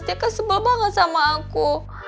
dia kan sebel banget sama aku